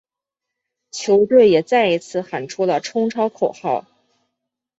球队也再一次喊出了冲超口号。